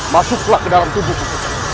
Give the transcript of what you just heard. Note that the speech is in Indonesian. masuklah ke dalam tubuhku